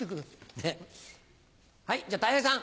じゃあたい平さん。